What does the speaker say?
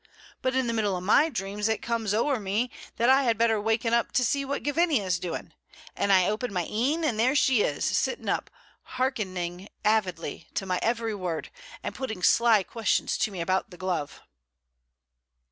But in the middle o' my dream it comes ower me that I had better waken up to see what Gavinia's doing, and I open my een, and there she is, sitting up, hearkening avidly to my every word, and putting sly questions to me about the glove."